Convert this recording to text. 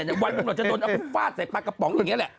งูพิษวันปุ๊บหน่อยจะโดนเอาพุฟาสใส่ปั๊กกระป๋องอย่างนี้แหละ